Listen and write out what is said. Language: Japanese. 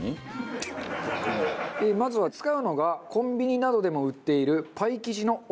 まずは使うのがコンビニなどでも売っている。